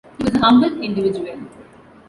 He was a humble individual.